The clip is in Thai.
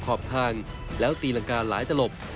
ครอบทางแล้วตีรังกราลหลายตลุป